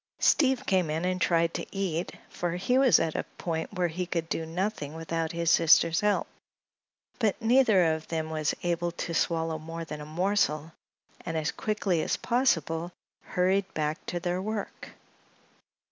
Steve came in and tried to eat, for he was at a point where he could do nothing without his sister's help; but neither of them was able to swallow more than a morsel, and as quickly as possible hurried back to their work.